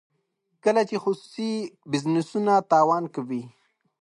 کله چې خصوصي بزنسونه تاوان کوي.